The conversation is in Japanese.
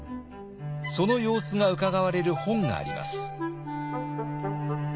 その様子がうかがわれる本があります。